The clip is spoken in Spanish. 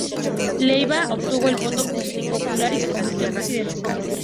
Leiva obtuvo el voto popular y se convirtió en presidente.